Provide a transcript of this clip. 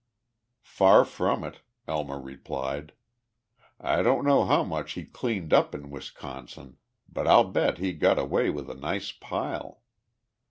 "Far from it," Elmer replied. "I don't know how much he cleaned up in Wisconsin, but I'll bet he got away with a nice pile.